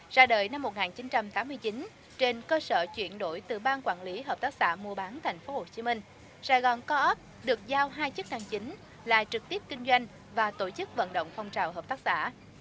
ra đời năm một nghìn chín trăm tám mươi chín trên cơ sở chuyển đổi từ ban quản lý hợp tác xã mua bán tp hcm sài gòn co op được giao hai chức năng chính là trực tiếp kinh doanh và tổ chức vận động phong trào hợp tác xã